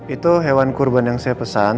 itu hewan kurban yang saya pesan